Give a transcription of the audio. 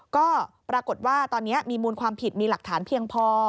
ก็ปรากฏว่าตอนนี้มีมูลความผิดมีหลักฐานเพียงพอ